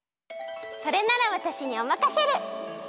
それならわたしにおまかシェル！